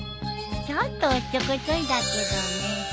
ちょっとおっちょこちょいだけどね。